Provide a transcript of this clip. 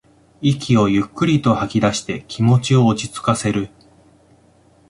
息をゆっくりと吐きだして気持ちを落ちつかせる